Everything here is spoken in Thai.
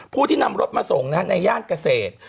ผู้ที่นำรถมาส่งในย่านเกษตร